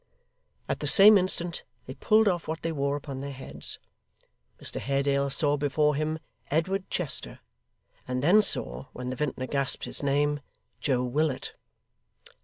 At the same instant they pulled off what they wore upon their heads. Mr Haredale saw before him Edward Chester, and then saw, when the vintner gasped his name, Joe Willet.